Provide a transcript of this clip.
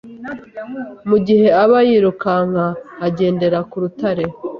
Mu gihe aba yirukanka agendera ku rutare,